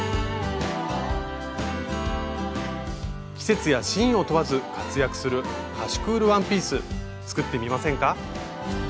季節やシーンを問わず活躍するカシュクールワンピース作ってみませんか？